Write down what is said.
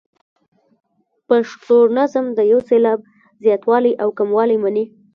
پښتو نظم د یو سېلاب زیاتوالی او کموالی مني.